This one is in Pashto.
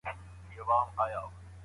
د کپسول الوتنه له ټکساس پیل شوه.